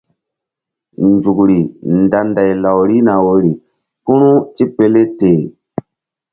Nzukri nda nday law rihna woyri kpu̧ru tipele teh.